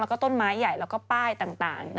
แล้วก็ต้นไม้ใหญ่แล้วก็ป้ายต่าง